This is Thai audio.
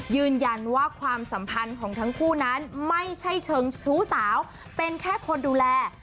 ยืนยันว่าความสัมพันธ์ของทั้งคู่นั้นไม่ใช่เชิงชู้สาวเป็นแค่คนดูแล